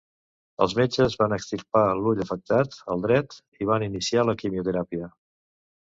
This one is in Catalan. Els metges van extirpar l'ull afectat, el dret, i van iniciar la quimioteràpia.